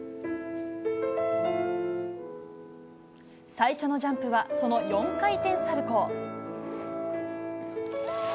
最初のジャンプは、その４回転サルコー。